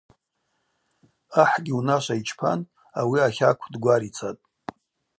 Ахӏгьи унашва йчпан, ауи ахакв дгварицатӏ.